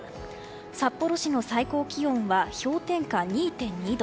札幌市の最高気温は氷点下２．２度。